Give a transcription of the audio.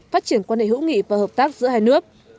phát triển quan hệ hữu nghị và hợp tác giữa hai nước